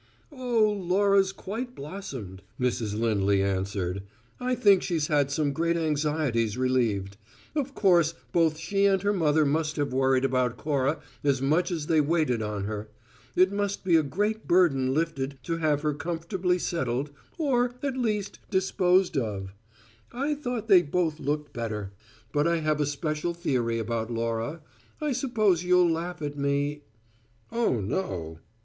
"Oh, Laura's quite blossomed," Mrs. Lindley answered. "I think she's had some great anxieties relieved. Of course both she and her mother must have worried about Cora as much as they waited on her. It must be a great burden lifted to have her comfortably settled, or, at least, disposed of. I thought they both looked better. But I have a special theory about Laura: I suppose you'll laugh at me " "Oh, no."